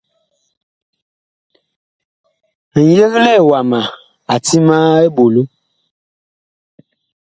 Ŋyeglɛɛ wama a ti ma eɓolo.